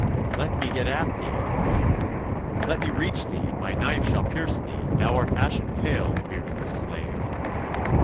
" Let me get at thee! " she cried, "let me reach thee, and my knife shall pierce thee! Thou art ashen pale, beardless slave!